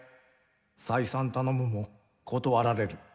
再三頼むも断られる」。